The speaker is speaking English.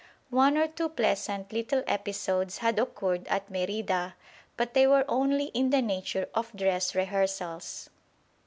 One or two pleasant little episodes had occurred at Merida, but they were only in the nature of dress rehearsals.